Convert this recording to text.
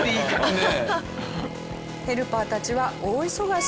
ヘルパーたちは大忙し。